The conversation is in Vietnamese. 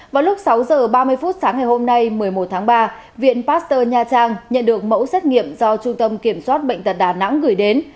vào lúc sáu h ba mươi phút sáng ngày hôm nay một mươi một tháng ba viện pasteur nha trang nhận được mẫu xét nghiệm do trung tâm kiểm soát bệnh tật đà nẵng gửi đến